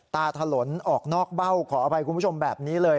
ถลนออกนอกเบ้าขออภัยคุณผู้ชมแบบนี้เลย